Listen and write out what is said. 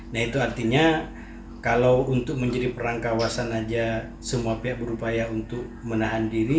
nah itu artinya kalau untuk menjadi perang kawasan aja semua pihak berupaya untuk menahan diri